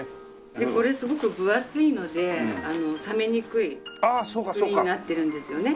これすごく分厚いので冷めにくい作りになってるんですよね。